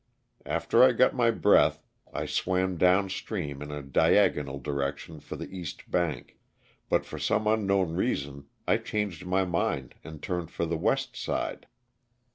After I got my breath I swam down stream in a diagonal direction for the east bank, but for some unknown reason I changed my mind and turned for the west side.